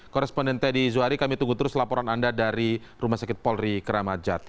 korespondente di izoari kami tunggu terus laporan anda dari rumah sakit polri keramat jati